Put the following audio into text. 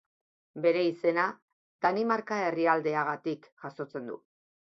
Bere izena Danimarka herrialdeagatik jasotzen du.